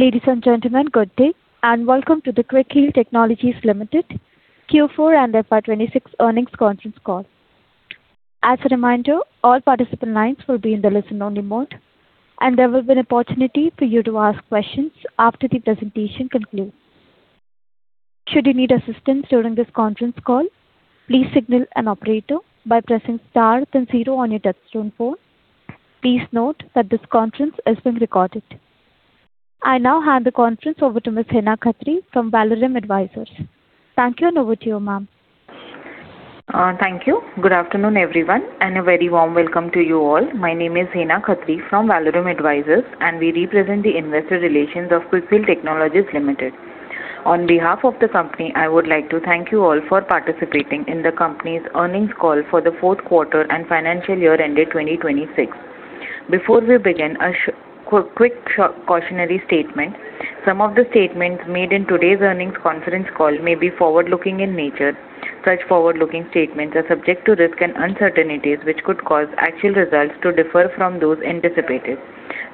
Ladies and gentlemen, good day, and welcome to the Quick Heal Technologies Limited Q4 and FY 2026 earnings conference call. As a reminder, all participant lines will be in the listen-only mode, and there will be an opportunity for you to ask questions after the presentation concludes. Should you need assistance during this conference call, please signal an operator by pressing star then zero on your touch-tone phone. Please note that this conference is being recorded. I now hand the conference over to Ms. Hina Khatri from Valorem Advisors. Thank you. Over to you, Ma'am. Thank you. Good afternoon, everyone, and a very warm welcome to you all. My name is Hina Khatri from Valorem Advisors, and we represent the investor relations of Quick Heal Technologies Limited. On behalf of the company, I would like to thank you all for participating in the company's earnings call for the fourth quarter and financial year ended 2026. Before we begin, a quick cautionary statement. Some of the statements made in today's earnings conference call may be forward-looking in nature. Such forward-looking statements are subject to risks and uncertainties, which could cause actual results to differ from those anticipated.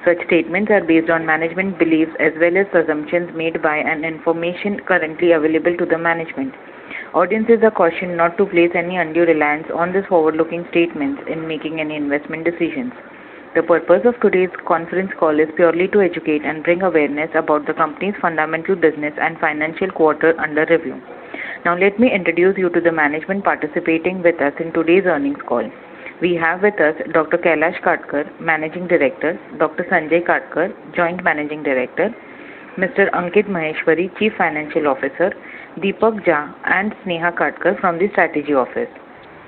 Such statements are based on management beliefs, as well as assumptions made by and information currently available to the management. Audiences are cautioned not to place any undue reliance on these forward-looking statements in making any investment decisions. The purpose of today's conference call is purely to educate and bring awareness about the company's fundamental business and financial quarter under review. Let me introduce you to the management participating with us in today's earnings call. We have with us Dr. Kailash Katkar, Managing Director, Dr. Sanjay Katkar, Joint Managing Director, Mr. Ankit Maheshwari, Chief Financial Officer, Deepak Jha, and Sneha Katkar from the strategy office.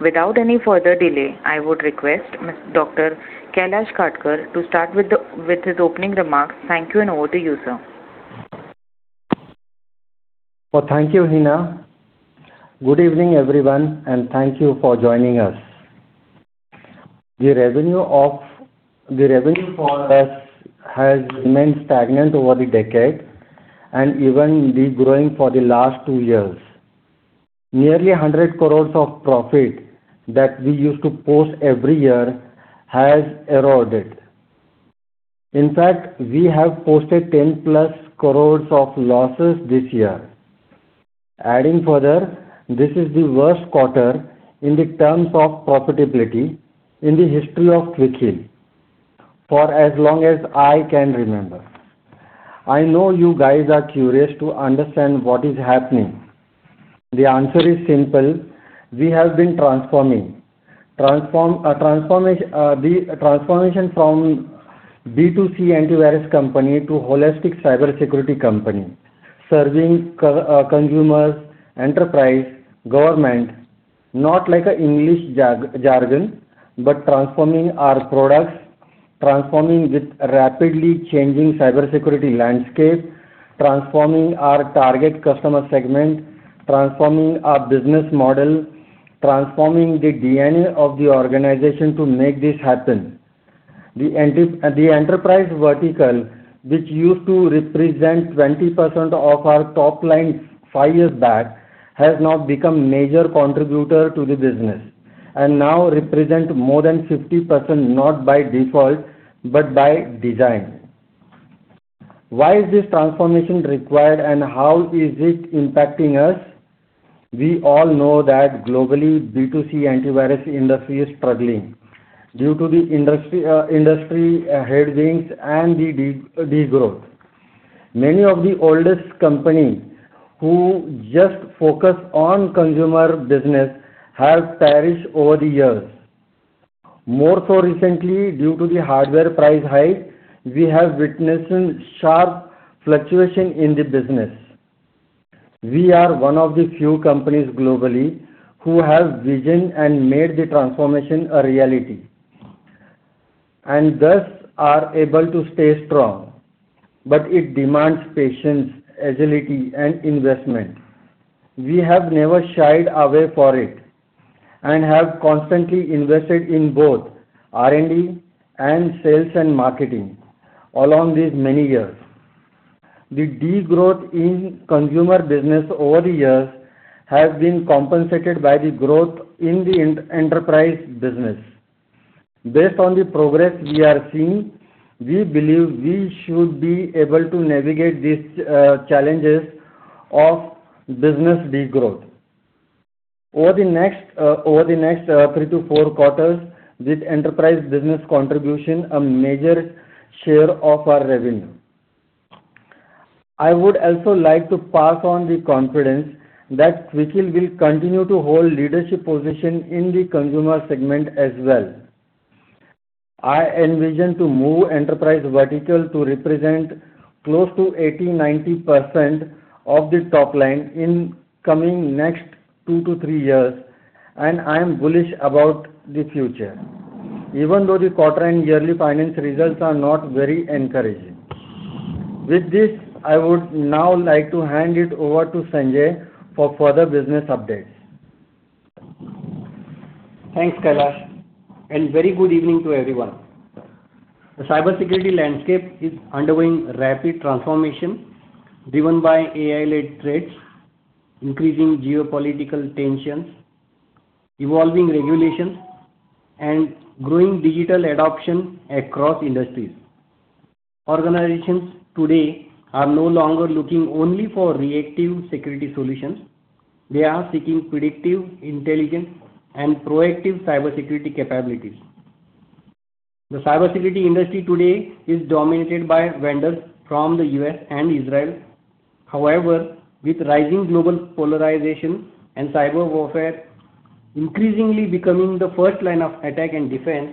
Without any further delay, I would request Dr. Kailash Katkar to start with his opening remarks. Thank you, and over to you, sir. Thank you, Hina. Good evening, everyone, and thank you for joining us. The revenue for us has remained stagnant over the decade and even degrowing for the last two years. Nearly 100 crores of profit that we used to post every year has eroded. In fact, we have posted 10+ crores of losses this year. Adding further, this is the worst quarter in terms of profitability in the history of Quick Heal, for as long as I can remember. I know you guys are curious to understand what is happening. The answer is simple. We have been transforming. Transformation from B2C antivirus company to holistic cybersecurity company, serving consumers, enterprise, government, not like an English jargon, but transforming our products, transforming with rapidly changing cybersecurity landscape, transforming our target customer segment, transforming our business model, transforming the DNA of the organization to make this happen. The enterprise vertical, which used to represent 20% of our top line five years back, has now become major contributor to the business and now represents more than 50%, not by default, but by design. Why is this transformation required, and how is it impacting us? We all know that globally, B2C antivirus industry is struggling due to the industry headwinds and the degrowth. Many of the oldest companies, who just focus on consumer business, have perished over the years. More so recently, due to the hardware price hike, we have witnessed some sharp fluctuation in the business. We are one of the few companies globally who have vision and made the transformation a reality, and thus are able to stay strong. It demands patience, agility, and investment. We have never shied away for it, and have constantly invested in both R&D and sales and marketing along these many years. The degrowth in consumer business over the years has been compensated by the growth in the enterprise business. Based on the progress we are seeing, we believe we should be able to navigate these challenges of business degrowth. Over the next three to four quarters, this enterprise business contribution, a major share of our revenue. I would also like to pass on the confidence that Quick Heal will continue to hold leadership position in the consumer segment as well. I envision to move enterprise vertical to represent close to 80%-90% of the top line in coming next two to three years, and I am bullish about the future, even though the quarter and yearly financial results are not very encouraging. With this, I would now like to hand it over to Sanjay for further business updates. Thanks, Kailash, and very good evening to everyone. The cybersecurity landscape is undergoing rapid transformation, driven by AI-led threats, increasing geopolitical tensions, evolving regulations and growing digital adoption across industries. Organizations today are no longer looking only for reactive security solutions. They are seeking predictive intelligence and proactive cybersecurity capabilities. The cybersecurity industry today is dominated by vendors from the U.S. and Israel. However, with rising global polarization and cyber warfare increasingly becoming the first line of attack and defense,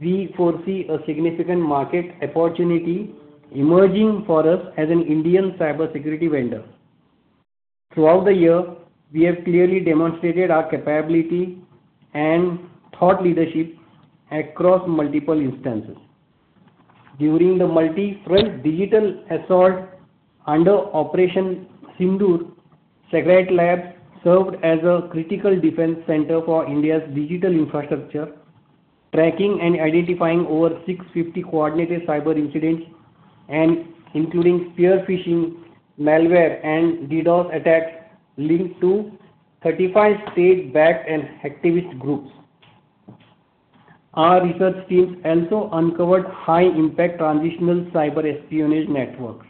we foresee a significant market opportunity emerging for us as an Indian cybersecurity vendor. Throughout the year, we have clearly demonstrated our capability and thought leadership across multiple instances. During the multi-front digital assault under Operation Sindoor, Seqrite Labs served as a critical defense center for India's digital infrastructure, tracking and identifying over 650 coordinated cyber incidents, and including spear phishing, malware, and DDoS attacks linked to 35 state-backed and hacktivist groups. Our research teams also uncovered high-impact transitional cyber espionage networks.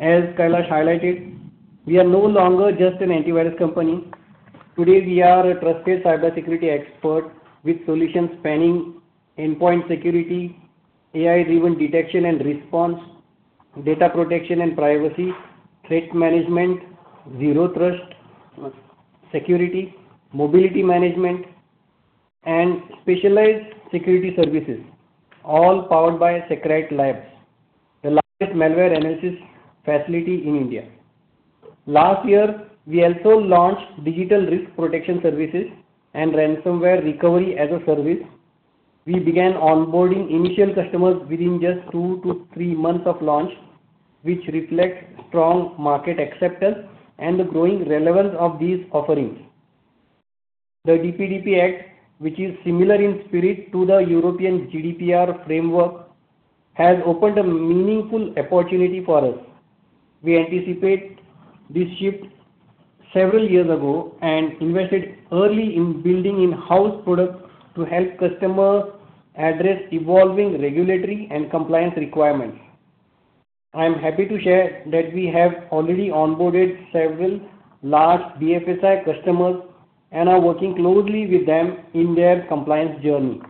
As Kailash highlighted, we are no longer just an antivirus company. Today, we are a trusted cybersecurity expert with solutions spanning endpoint security, AI-driven detection and response, data protection and privacy, threat management, zero trust security, mobility management, and specialized security services, all powered by Seqrite Labs, the largest malware analysis facility in India. Last year, we also launched digital risk protection services and ransomware recovery as a service. We began onboarding initial customers within just two to three months of launch, which reflects strong market acceptance and the growing relevance of these offerings. The DPDP Act, which is similar in spirit to the European GDPR framework, has opened a meaningful opportunity for us. We anticipate this shift several years ago and invested early in building in-house products to help customers address evolving regulatory and compliance requirements. I'm happy to share that we have already onboarded several large BFSI customers and are working closely with them in their compliance journey.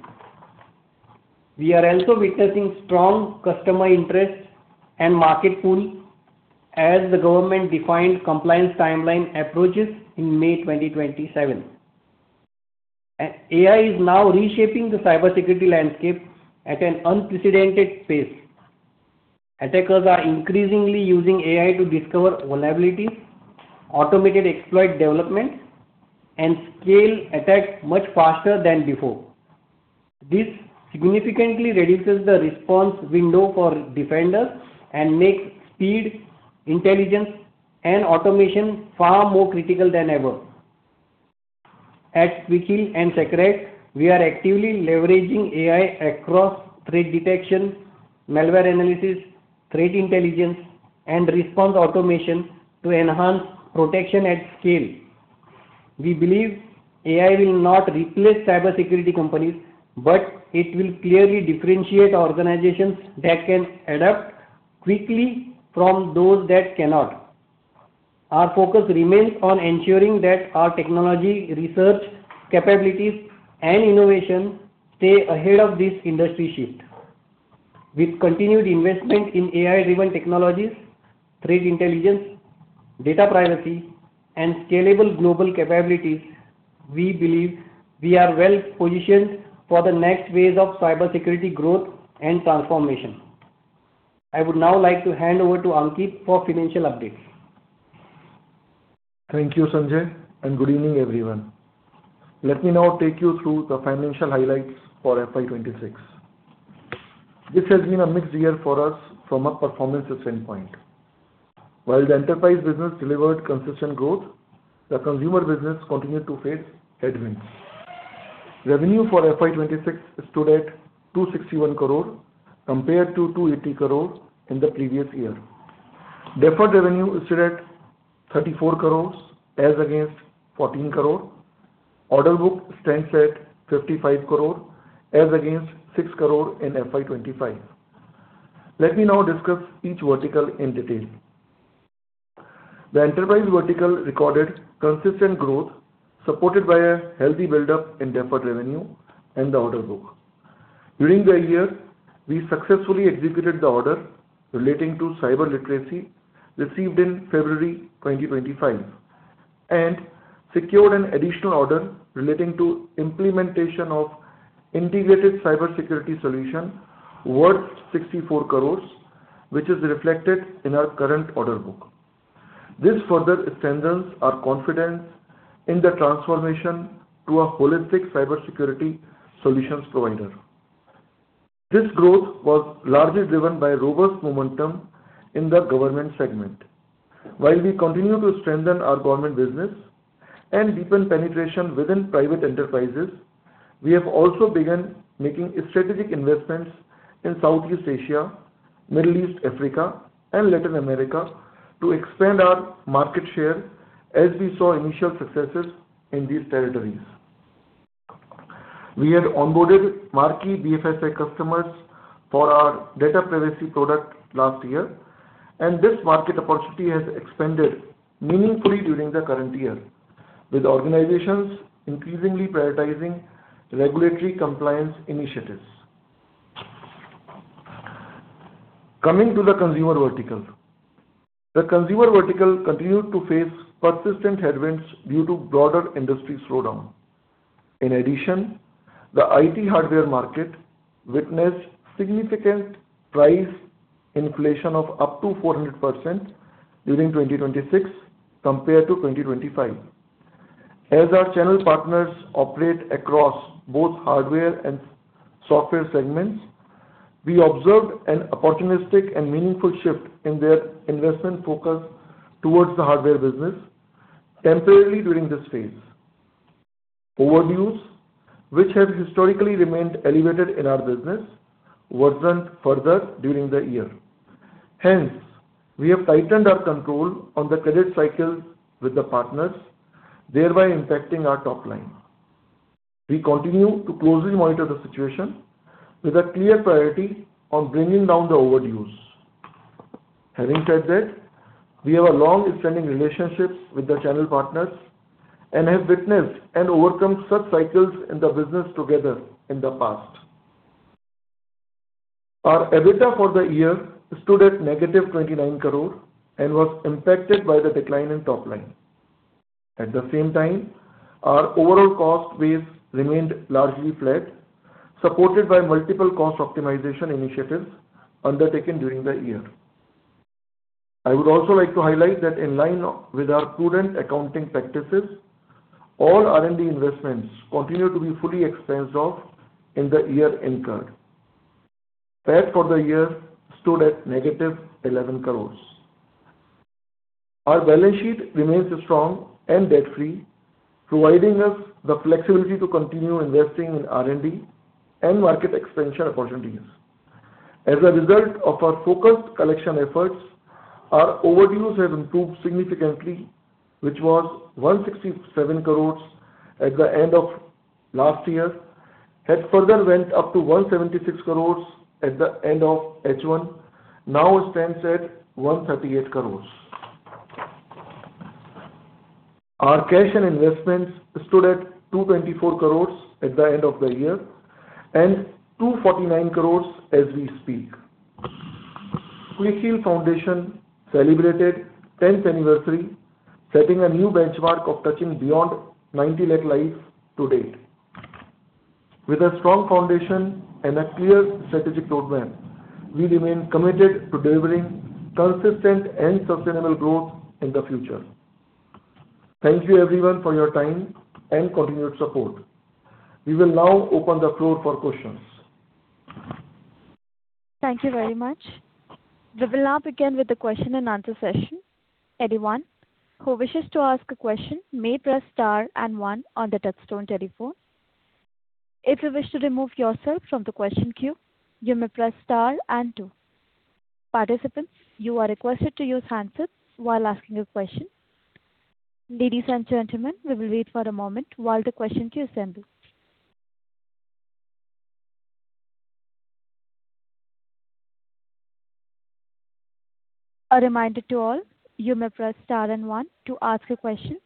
We are also witnessing strong customer interest and market pull as the government-defined compliance timeline approaches in May 2027. AI is now reshaping the cybersecurity landscape at an unprecedented pace. Attackers are increasingly using AI to discover vulnerabilities, automated exploit development, and scale attacks much faster than before. This significantly reduces the response window for defenders and makes speed, intelligence, and automation far more critical than ever. At Quick Heal and Seqrite, we are actively leveraging AI across threat detection, malware analysis, threat intelligence, and response automation to enhance protection at scale. We believe AI will not replace cybersecurity companies, but it will clearly differentiate organizations that can adapt quickly from those that cannot. Our focus remains on ensuring that our technology, research capabilities, and innovation stay ahead of this industry shift. With continued investment in AI-driven technologies, threat intelligence, data privacy, and scalable global capabilities, we believe we are well positioned for the next phase of cybersecurity growth and transformation. I would now like to hand over to Ankit for financial updates. Thank you, Sanjay, and good evening, everyone. Let me now take you through the financial highlights for FY 2026. This has been a mixed year for us from a performance standpoint. While the enterprise business delivered consistent growth, the consumer business continued to face headwinds. Revenue for FY 2026 stood at 261 crores compared to 280 crores in the previous year. Deferred revenue stood at 34 crores as against 14 crores. Order book stands at 55 crores as against 6 crores in FY 2025. Let me now discuss each vertical in detail. The enterprise vertical recorded consistent growth supported by a healthy buildup in deferred revenue and the order book. During the year, we successfully executed the order relating to cyber literacy received in February 2025 and secured an additional order relating to implementation of integrated cybersecurity solution worth 64 crores, which is reflected in our current order book. This further strengthens our confidence in the transformation to a holistic cybersecurity solutions provider. This growth was largely driven by robust momentum in the government segment. While we continue to strengthen our government business and deepen penetration within private enterprises. We have also begun making strategic investments in Southeast Asia, Middle East, Africa, and Latin America to expand our market share as we saw initial successes in these territories. We had onboarded marquee BFSI customers for our data privacy product last year, and this market opportunity has expanded meaningfully during the current year, with organizations increasingly prioritizing regulatory compliance initiatives. Coming to the consumer vertical. The consumer vertical continued to face persistent headwinds due to broader industry slowdown. The IT hardware market witnessed significant price inflation of up to 400% during 2026 compared to 2025. As our channel partners operate across both hardware and software segments, we observed an opportunistic and meaningful shift in their investment focus towards the hardware business temporarily during this phase. Overdues, which have historically remained elevated in our business, worsened further during the year. Hence, we have tightened our control on the credit cycles with the partners, thereby impacting our top line. We continue to closely monitor the situation with a clear priority on bringing down the overdues. Having said that, we have a long-standing relationship with the channel partners and have witnessed and overcome such cycles in the business together in the past. Our EBITDA for the year stood at -29 crores and was impacted by the decline in top line. At the same time, our overall cost base remained largely flat, supported by multiple cost optimization initiatives undertaken during the year. I would also like to highlight that in line with our prudent accounting practices, all R&D investments continue to be fully expensed off in the year incurred. PAT for the year stood at -11 crores. Our balance sheet remains strong and debt-free, providing us the flexibility to continue investing in R&D and market expansion opportunities. As a result of our focused collection efforts, our overdues have improved significantly, which was 167 crores at the end of last year, had further went up to 176 crores at the end of H1, now stands at 138 crores. Our cash and investments stood at 224 crores at the end of the year and 249 crores as we speak. Quick Heal Foundation celebrated 10th anniversary, setting a new benchmark of touching beyond 90 lakh lives to date. With a strong foundation and a clear strategic roadmap, we remain committed to delivering consistent and sustainable growth in the future. Thank you everyone for your time and continued support. We will now open the floor for questions. Thank you very much. We will now begin with the question-and-answer session. Anyone who wishes to ask a question may press star and one on the touch-tone telephone. If you wish to remove yourself from the question queue, you may press star and two. Participants, you are requested to use handsets while asking a question. Ladies and gentlemen, we will wait for a moment while the question queue assembles. A reminder to all, you may press star and one to ask a question.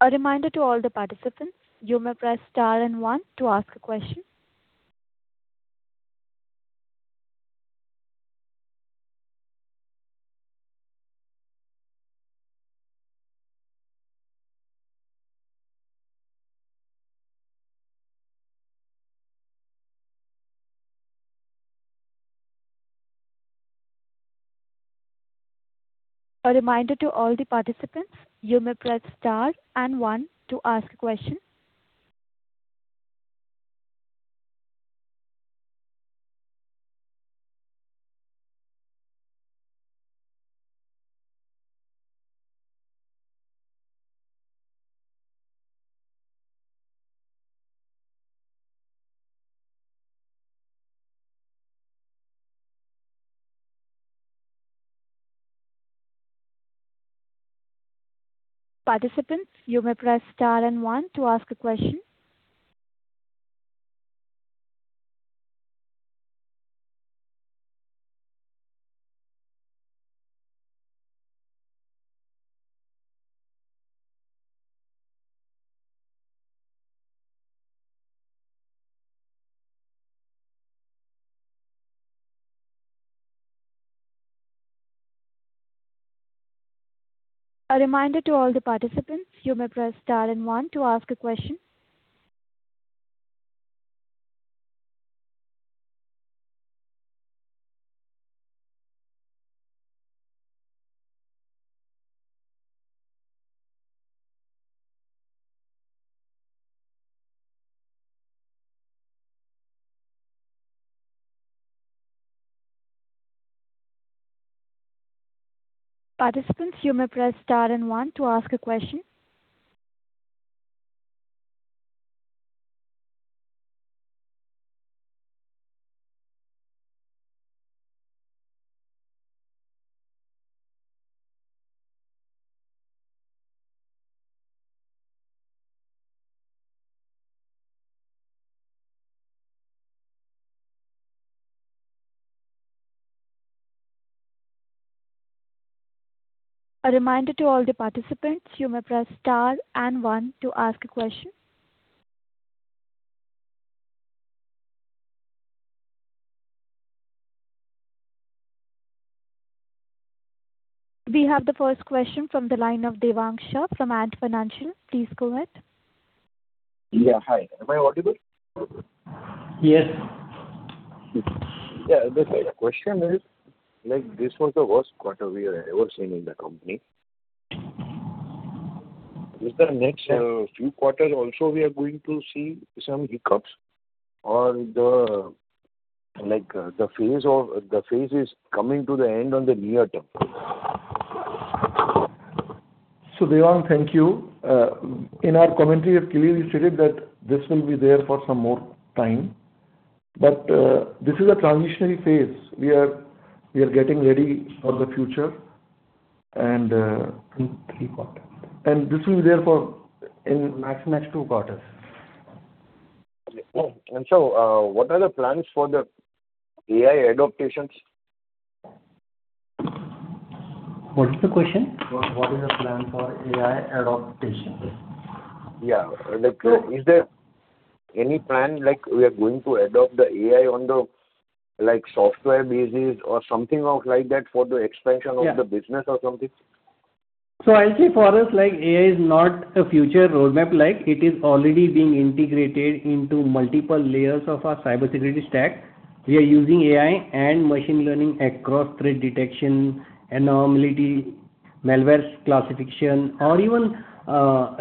A reminder to all the participants, you may press star and one to ask a question. A reminder to all the participants, you may press star and one to ask a question. Participants, you may press star and one to ask a question. We have the first question from the line of Devang Shah from Ant Financial. Please go ahead. Yeah. Hi. Am I audible? Yes. Yeah. The question is, this was the worst quarter we have ever seen in the company. Is the next few quarters also we are going to see some hiccups or the phase is coming to the end on the near term? Devang, thank you. In our commentary, clearly we stated that this will be there for some more time. This is a transitionary phase. We are getting ready for the future. Two, three quarters. This will be there for maximum two quarters. What are the plans for the AI adaptations? What is the question? What is the plan for AI adaptation? Yeah. Is there any plan, like we are going to adopt the AI on the software basis or something like that for the expansion of the business or something? I'll say for us, AI is not a future roadmap. It is already being integrated into multiple layers of our cybersecurity stack. We are using AI and machine learning across threat detection, anomaly, malware classification, or even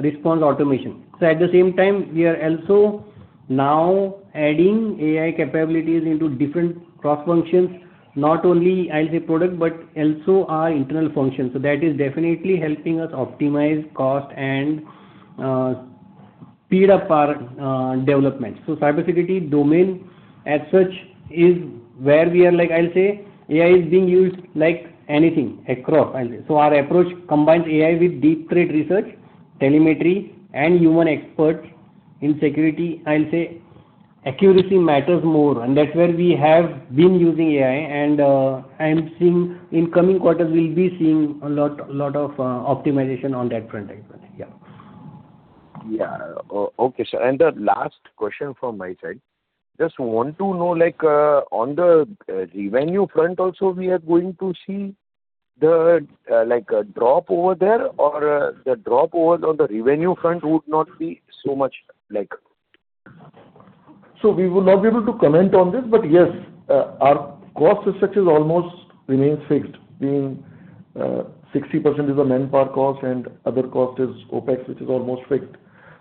response automation. At the same time, we are also now adding AI capabilities into different cross functions, not only as a product, but also our internal functions. That is definitely helping us optimize cost and speed up our development. Cybersecurity domain as such is where we are, I'll say, AI is being used like anything, across. Our approach combines AI with deep threat research, telemetry, and human experts in security. I'll say accuracy matters more, and that's where we have been using AI, and I am seeing in coming quarters, we'll be seeing a lot of optimization on that front as well. Yeah. Yeah. Okay, sir. The last question from my side. Just want to know, on the revenue front also, we are going to see a drop over there, or the drop over on the revenue front would not be so much? We will not be able to comment on this, but yes, our cost as such is almost remains fixed, being 60% is the manpower cost and other cost is OpEx, which is almost fixed.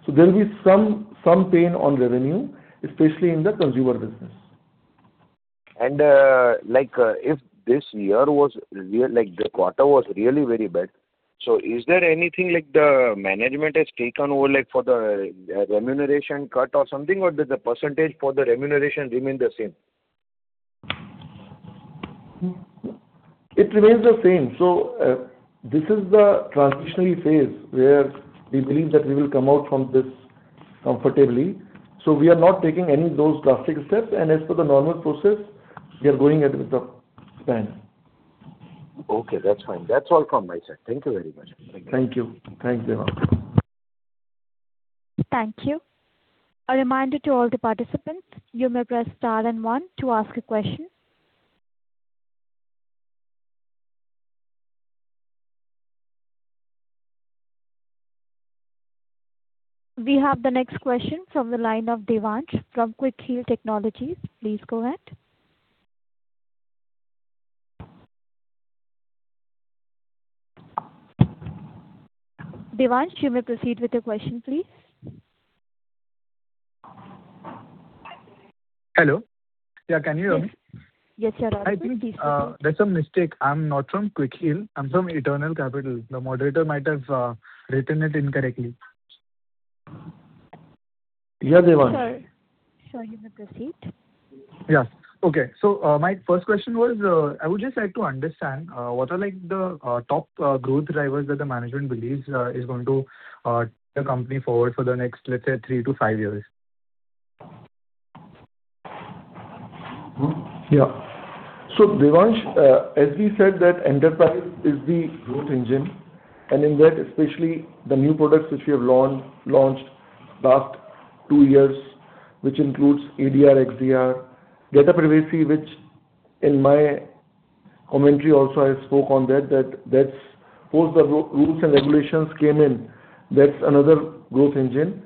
There will be some pain on revenue, especially in the consumer business. If this quarter was really very bad, so is there anything the management has taken over, like for the remuneration cut or something, or did the percentage for the remuneration remain the same? It remains the same. This is the transitionary phase where we believe that we will come out from this comfortably. We are not taking any of those drastic steps. As per the normal process, we are going at it with the plan. Okay, that's fine. That's all from my side. Thank you very much. Thank you. Thank you. Thank you. A reminder to all the participants, you may press star and one to ask a question. We have the next question from the line of Devansh from Quick Heal Technologies. Please go ahead. Devansh, you may proceed with your question, please. Hello? Yeah, can you hear me? Yes, sir. I think there's a mistake. I'm not from Quick Heal. I'm from Eternal Capital. The moderator might have written it incorrectly. Yeah, Devansh. Sir, you may proceed. Yeah. Okay. My first question was, I would just like to understand, what are the top growth drivers that the management believes is going to take the company forward for the next, let's say, three to five years? Devansh, as we said that enterprise is the growth engine, and in that, especially the new products which we have launched last two years, which includes EDR, XDR, data privacy, which in my commentary also I spoke on that post the rules and regulations came in, that is another growth engine.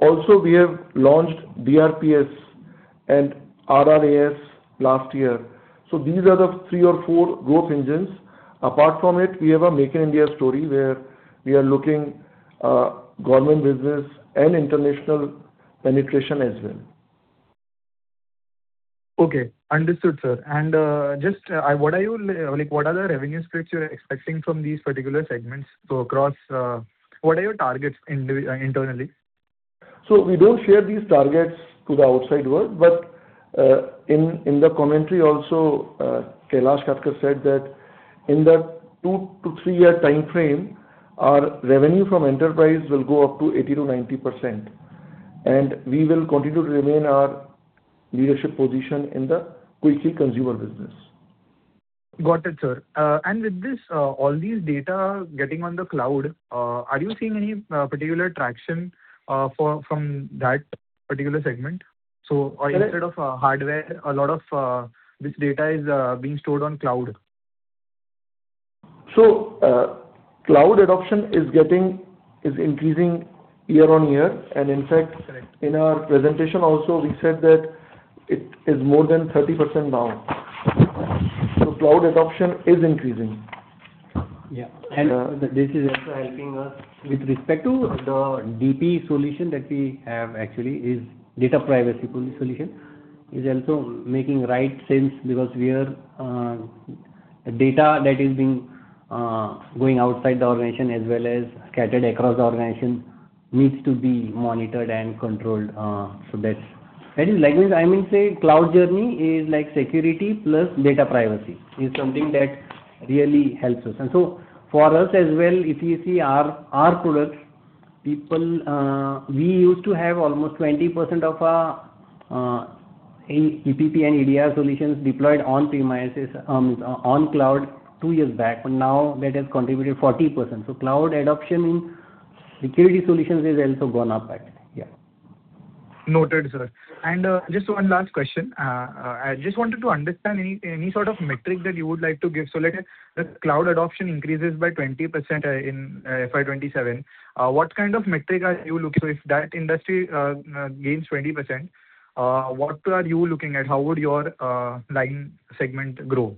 Also, we have launched DRPS and RRaaS last year. These are the three or four growth engines. Apart from it, we have a Make in India story where we are looking government business and international penetration as well. Okay. Understood, sir. Just what are the revenue targets you're expecting from these particular segments? Across, what are your targets internally? We don't share these targets to the outside world, but in the commentary also, Kailash Katkar said that in the two- to three-year timeframe, our revenue from enterprise will go up to 80%-90%. We will continue to remain our leadership position in the Quick Heal consumer business. Got it, sir. With all these data getting on the cloud, are you seeing any particular traction from that particular segment? Instead of hardware, a lot of this data is being stored on cloud. Cloud adoption is increasing year-on-year. And in fact, in our presentation also, we said that it is more than 30% now. Cloud adoption is increasing. Yeah. This is also helping us with respect to the DP solution that we have actually, is data privacy solution, is also making right sense because data that is going outside the organization as well as scattered across the organization needs to be monitored and controlled. That is, I mean, say cloud journey is like security plus data privacy, is something that really helps us. For us as well, if you see our products, we used to have almost 20% of our EPP and EDR solutions deployed on-premises, on cloud two years back, but now that has contributed 40%. Cloud adoption in security solutions has also gone up. Noted, sir. Just one last question. I just wanted to understand any sort of metric that you would like to give. Like the cloud adoption increases by 20% in FY 2027. What kind of metric are you looking? If that industry gains 20%, what are you looking at? How would your line segment grow?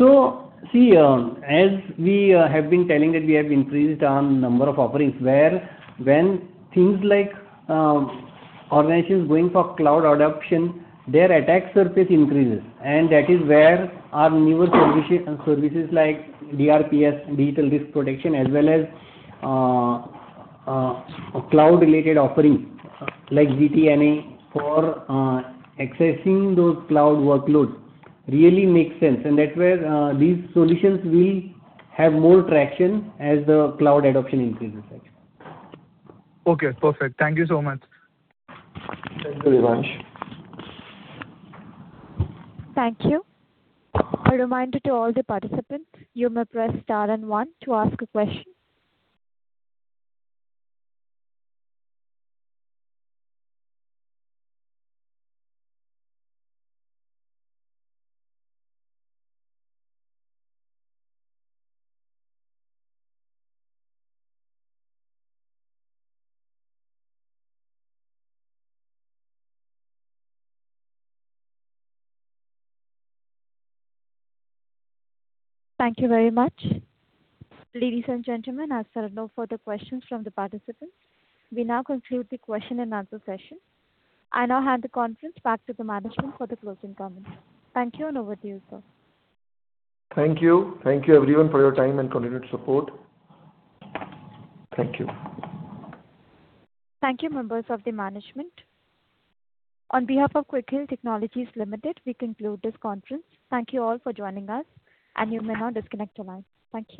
As we have been telling that we have increased our number of offerings, where when things like organizations going for cloud adoption, their attack surface increases. That is where our newer services like DRPS, Digital Risk Protection, as well as cloud-related offerings like ZTNA for accessing those cloud workloads really makes sense. That is where these solutions will have more traction as the cloud adoption increases. Okay, perfect. Thank you so much. Thank you, Devansh. Thank you. Thank you very much. Ladies and gentlemen, as there are no further questions from the participants, we now conclude the question-and-answer session. I now hand the conference back to the management for the closing comments. Thank you, and over to you, sir. Thank you. Thank you everyone for your time and continued support. Thank you. Thank you, members of the management. On behalf of Quick Heal Technologies Limited, we conclude this conference. Thank you all for joining us. You may now disconnect your lines. Thank you.